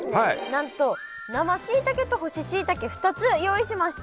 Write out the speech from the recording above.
なんと生しいたけと干ししいたけ２つ用意しました。